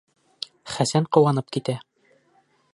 Хәсән ҡыуанып китә: